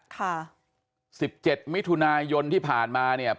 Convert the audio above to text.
ค่ะ๑๗มิถุนายนที่ผ่านมาเนี่ย